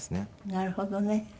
なるほどね。